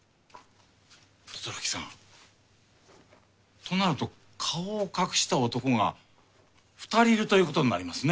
等々力さんとなると顔を隠した男が２人いるということになりますね？